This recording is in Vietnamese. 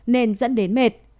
nên dẫn đến mệt